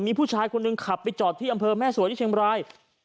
มีผู้ชายคนหนึ่งขับไปจอดที่อำเภอแม่สวยที่เชียงบราย